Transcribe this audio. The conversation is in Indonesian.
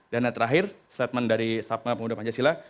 dan yang terakhir statement dari sabma pemuda pancasila